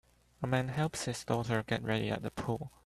A man helps his daughter get ready at the pool.